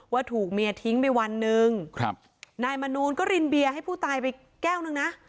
ว่าถูกเมียทิ้งไปวันหนึ่งครับนายมนูลก็รินเบียร์ให้ผู้ตายไปแก้วหนึ่งนะ